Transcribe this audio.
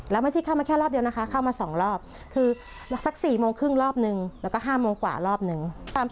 แล้วไม่ใช่เข้ามาแค่รอบเดียวนะคะเข้ามา๒รอบคือสัก๔โมงครึ่งรอบนึงแล้วก็๕โมงกว่ารอบนึง